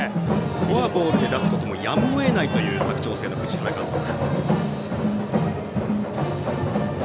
フォアボールで出すこともやむを得ないという佐久長聖の藤原監督。